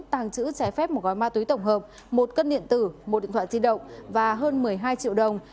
tàng trữ trái phép một gói ma túy tổng hợp một cân điện tử một điện thoại di động và hơn một mươi hai triệu đồng